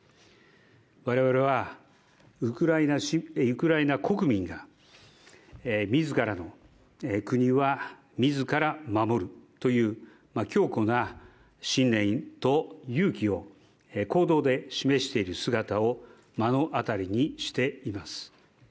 我々は、ウクライナ国民が自らの国は自ら守るという強固な信念と勇気を行動で示している姿を目の当たりにしています。